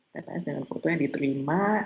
tps dalam foto yang diterima